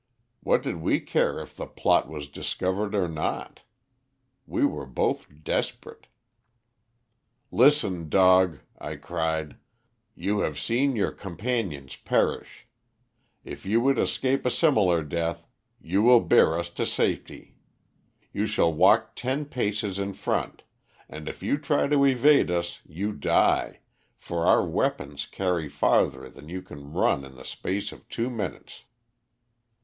What did we care if the plot was discovered or not! We were both desperate. "'Listen, dog,' I cried. 'You have seen your companions perish. If you would escape a similar death, you will bear us to safety. You shall walk ten paces in front, and if you try to evade us you die, for our weapons carry farther than you can run in the space of two minutes.